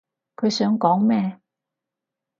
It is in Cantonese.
佢想講咩？